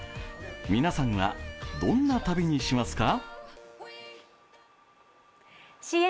皆さんはどんな旅にしますか？